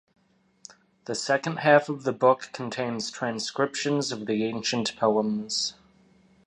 The second half of the book contains transcriptions of the ancient poems.